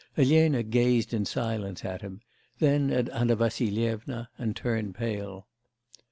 Elena gazed in silence at him, then at Anna Vassilyevna and turned pale.